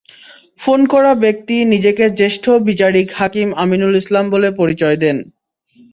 Phone করা ব্যক্তি নিজেকে জ্যেষ্ঠ বিচারিক হাকিম আমিনুল ইসলাম বলে পরিচয় দেন।